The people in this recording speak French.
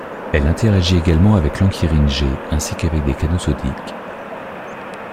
Elle interagit également avec l'ankyrine G ainsi qu'avec des canaux sodiques.